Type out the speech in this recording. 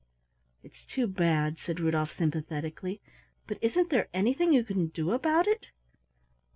"It's too bad," said Rudolf sympathetically; "but isn't there anything you can do about it?"